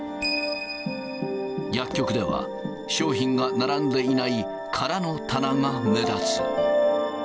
薬局では、商品が並んでいない空の棚が目立つ。